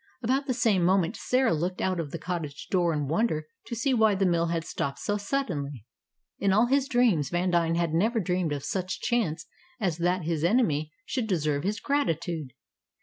About the same moment Sarah looked out of the cottage door in wonder to see why the mill had stopped so suddenly. In all his dreams, Vandine had never dreamed of such chance as that his enemy should deserve his gratitude.